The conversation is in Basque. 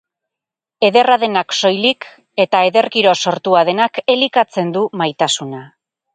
Ederra denak soilik, eta ederkiro sortua denak, elikatzen du Maitasuna.